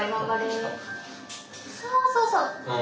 そうそうそう！